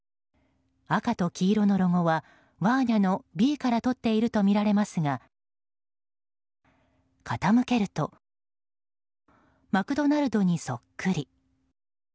赤と黄色のロゴは、ワーニャのＢからとっているとみられますが傾けるとマクドナルドにそっくり。